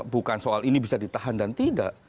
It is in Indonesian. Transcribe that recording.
bukan soal ini bisa ditahan dan tidak